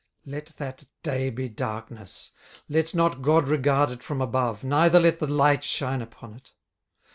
18:003:004 Let that day be darkness; let not God regard it from above, neither let the light shine upon it.